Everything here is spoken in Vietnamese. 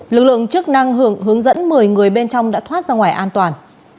lực lượng chức năng hướng dẫn một mươi người bên trong đã thoát ra ngoài an toàn